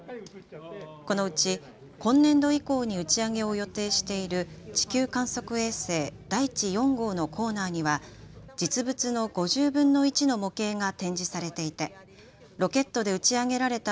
このうち今年度以降に打ち上げを予定している地球観測衛星だいち４号のコーナーには実物の５０分の１の模型が展示されていてロケットで打ち上げられた